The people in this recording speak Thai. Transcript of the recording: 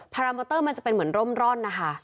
พาราโมเตอร์มันจะเหมือนโรมร่อนนะคะ